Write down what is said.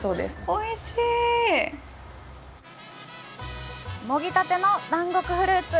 おいしいもぎたての南国フルーツ